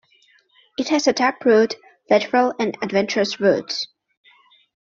It has a tap root, lateral and adventious roots.